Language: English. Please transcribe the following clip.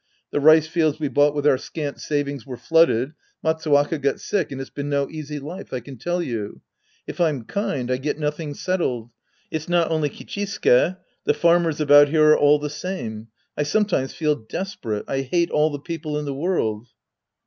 The rice fields we bought with our scant savings were flooded, Matsuwaka got sick, and it's been no easy life, I can tell you. If I'm kind, I get nothing settled. It's not only Kichisuke. The farmers about here are all the same. I sometimes feel desperate. I hate all the people in the world.